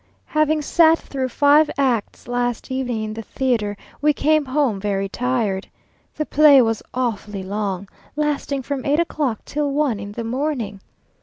Having sat through five acts last evening in the theatre, we came home very tired. The play was awfully long, lasting from eight o'clock till one in the morning.